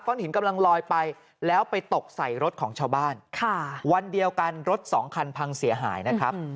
หินกำลังลอยไปแล้วไปตกใส่รถของชาวบ้านค่ะวันเดียวกันรถสองคันพังเสียหายนะครับ